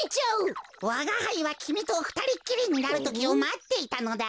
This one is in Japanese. わがはいはきみとふたりっきりになるときをまっていたのだ。